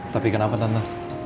tapi kenapa tante